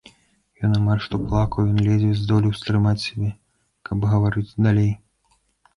Ён амаль што плакаў, ён ледзьве здолеў стрымаць сябе, каб гаварыць далей.